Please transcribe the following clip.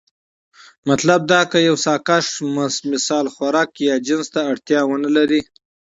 مطلب دا که يو ساکښ مثلا خوراک يا جنس ته اړتيا ونه لري،